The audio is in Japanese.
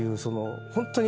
ホントに。